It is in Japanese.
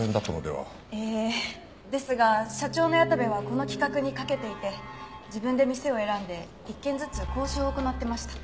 ええですが社長の矢田部はこの企画にかけていて自分で店を選んで１軒ずつ交渉を行ってました。